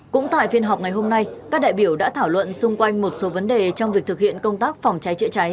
cũng tại phiên họp ngày hôm nay các đại biểu đã thảo luận xung quanh một số vấn đề trong việc thực hiện công tác phòng cháy chữa cháy